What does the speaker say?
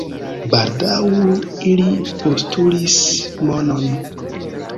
Baldaŭ ili postulis monon.